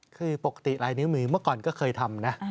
คือปกติลายนิ้วมือเมื่อก่อนก็เคยทำนะ